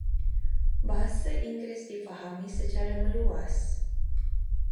Bahasa Inggeris difahami secara meluas.